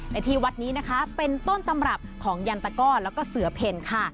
และที่วัดนี้นะคะเป็นต้นตำรับของยันตะก้อนแล้วก็เสือเพ่นค่ะ